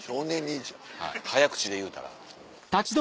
早口で言うたら。